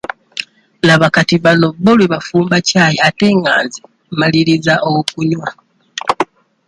Laba kati bano bo lwe bafumba ccaayi ate nga nze mmalirizza okunywa.